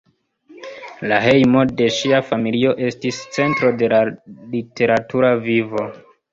La hejmo de ŝia familio estis centro de la literatura vivo.